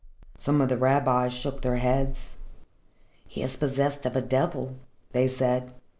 Some of the rabbis shook their heads. "He is possessed of a devil," they said.